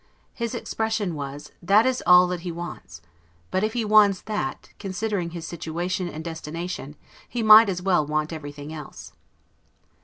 His expression was, THAT IS ALL THAT HE WANTS; BUT IF HE WANTS THAT, CONSIDERING HIS SITUATION AND DESTINATION, HE MIGHT AS WELL WANT EVERYTHING ELSE.